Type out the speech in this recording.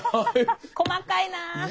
細かいな。